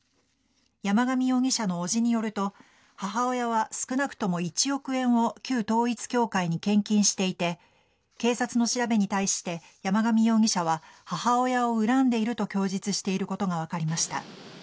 山上容疑者の伯父によると母親は少なくとも１億円を旧統一教会に献金していて警察の調べに対して山上容疑者は母親を恨んでいると供述していることが分かりました。